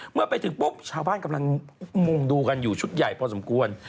เมื่อไปถึงปุ๊บชาวบ้านกำลังมุ่งดูกันอยู่ชุดใหญ่พอสมควร